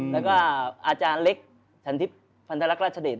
แล้วก็อาจารย์เล็กทันทิพย์พันธรรคราชเดช